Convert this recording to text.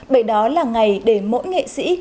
bởi đó là ngày để mỗi nghệ sĩ